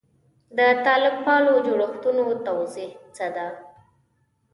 د طالب پالو جوړښتونو توضیح څه ده.